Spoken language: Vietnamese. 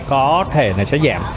có thể là sẽ giảm